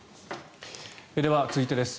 では続いてです。